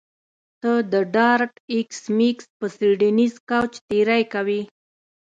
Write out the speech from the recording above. ته د ډارت ایس میکس په څیړنیز کوچ تیری کوې